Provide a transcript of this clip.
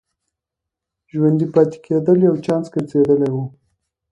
ژوندي پاتې کېدل یو چانس ګرځېدلی و.